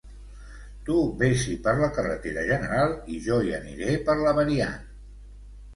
Tu ves-hi per la carretera general i jo hi aniré per la variant.